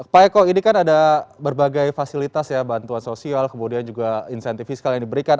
pak eko ini kan ada berbagai fasilitas ya bantuan sosial kemudian juga insentif fiskal yang diberikan